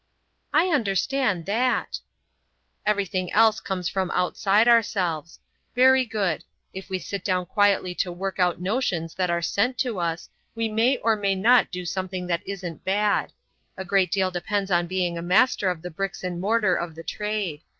"I understand that." "Everything else comes from outside ourselves. Very good. If we sit down quietly to work out notions that are sent to us, we may or we may not do something that isn't bad. A great deal depends on being master of the bricks and mortar of the trade.